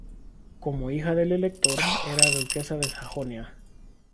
Como hija del Elector, era duquesa de Sajonia.